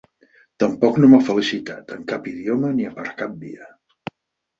Tampoc no m’ha felicitat, en cap idioma ni per cap via.